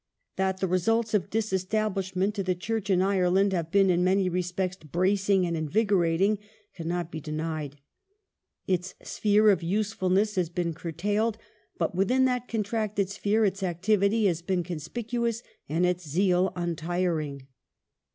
2 That the results of disestablishment to the Church in Ireland have been in many respects bracing and invigorating cannot be denied. Its sphere of usefulness has been curtailed, but within that contracted sphere its activity has been conspicuous and its zeal untiring.